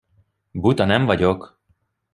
Buta nem vagyok!